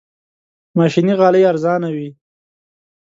ماشيني غالۍ ارزانه وي.